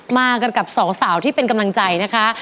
มากันกับสองสาวที่เป็นกำลังใจนะคะ